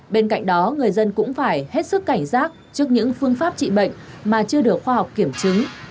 bên cạnh đó người dân cũng phải hết sức cảnh giác trước những phương pháp trị bệnh mà chưa được khoa học kiểm chứng